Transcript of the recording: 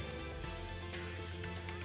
xin mời các bạn